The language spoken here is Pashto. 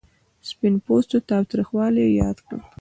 سپین پوستو تاوتریخوالی یاد کړ.